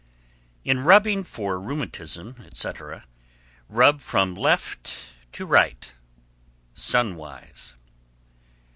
In rubbing for rheumatism, etc., rub from left to right (sunwise).